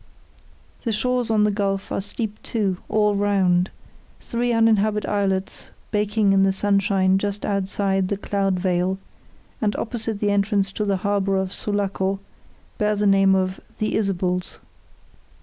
The shores on the gulf are steep to all round; three uninhabited islets basking in the sunshine just outside the cloud veil, and opposite the entrance to the harbour of Sulaco, bear the name of "The Isabels."